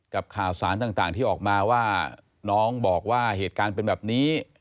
ข่าวสารต่างที่ออกมาว่าน้องบอกว่าเหตุการณ์เป็นแบบนี้